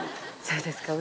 そうですか。